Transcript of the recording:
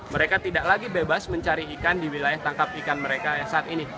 mereka tidak lagi bebas mencari ikan di wilayah tangkap ikan mereka saat ini